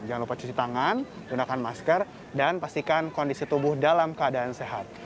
jangan lupa cuci tangan gunakan masker dan pastikan kondisi tubuh dalam keadaan sehat